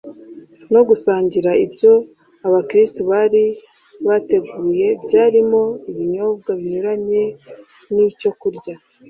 no gusangira ibyo abakristu bari bateguye byarimo ibinyobwa binyuranye n'icyo kurya